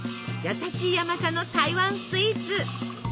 優しい甘さの台湾スイーツ。